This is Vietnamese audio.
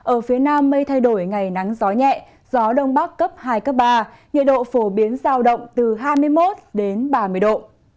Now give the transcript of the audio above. ở phía nam mây thay đổi ngày nắng gió nhẹ gió đông bắc cấp hai cấp ba nhiệt độ phổ biến giao động từ hai mươi một đến ba mươi độ